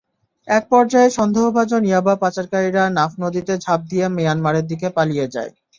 একপর্যায়ে সন্দেহভাজন ইয়াবা পাচারকারীরা নাফ নদীতে ঝাঁপ দিয়ে মিয়ানমারের দিকে পালিয়ে যায়।